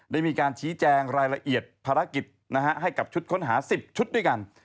ได้มีการชี้แจงรายละเอียดภารกิจให้กับชุดค้นหา๑๐ชุดด้วยกัน